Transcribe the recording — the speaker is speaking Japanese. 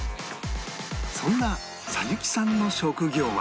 そんな桜雪さんの職業は